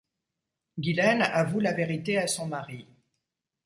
Ghislaine avoue la vérité à son mari.